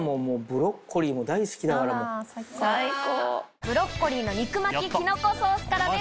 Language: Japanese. ブロッコリーの肉巻きキノコソースからです。